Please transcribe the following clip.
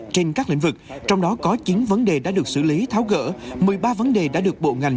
trên các lĩnh vực trong đó có chín vấn đề đã được xử lý tháo gỡ một mươi ba vấn đề đã được bộ ngành